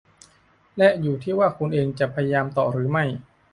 และอยู่ที่ว่าคุณเองจะพยายามต่อหรือไม่